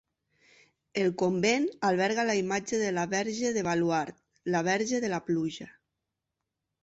El convent alberga la imatge de la Verge de Baluard, la verge de la pluja.